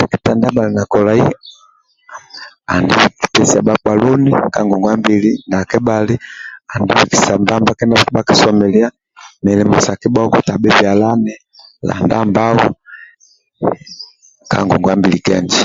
Teketa ndia bhali na kolai andi pesia bhakpa loni ka ngongwa-mbili, ndia kebhali andi bikisa mbamba kindia bhakpa bhakisomilia milimo sa kibhoko bhia kyalani, landa mbau ka ngongwa-mbili kenjo